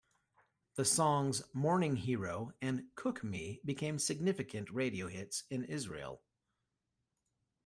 The songs "Morning Hero" and "Cook Me" became significant radio hits in Israel.